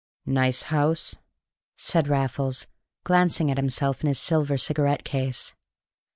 "Nice house?" said Raffles, glancing at himself in his silver cigarette case.